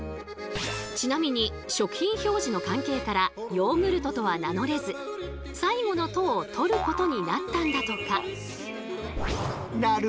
ちなみに食品表示の関係からヨーグルトとは名乗れず最後の「ト」を取ることになったんだとか。